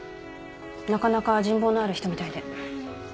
なかなか人望のある人みたいで。